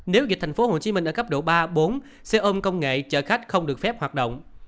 nếu dịch tp hcm ở cấp độ ba bốn xe ôm công nghệ chở khách không được phép hoạt động